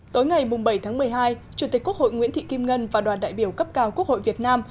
tối ngày bảy tháng một mươi hai chủ tịch quốc hội nguyễn thị kim ngân và đoàn đại biểu cấp cao quốc hội việt nam